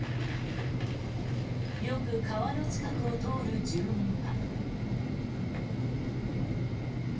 よく川の近くを通る住民は。